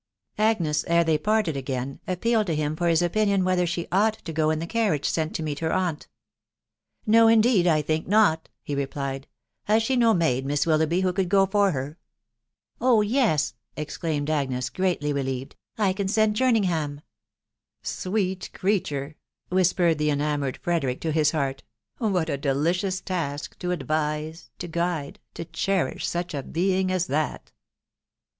Agnes, ere they parted again, appealed to him for bis opinion whether she ought to go in the carriage sent to meet her aunt. " No, indeed, I think not," he replied. <€ Has she no maid, Miss Willoughby, who could go for her ?"" Oh yes !" exclaimed Agnes, greatly relieved ; "I can send Jerningham." " Sweet creature !" whispered the enamoured Frederick to his heart, " what a delicious task to advise, to guide, to cherish such a being as that